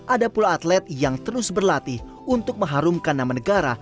ada pula atlet yang terus berlatih untuk mengharumkan nama negara